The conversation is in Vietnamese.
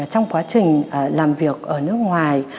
trong quá trình làm việc ở nước ngoài